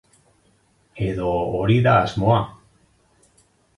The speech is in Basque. Edo hori da asmoa.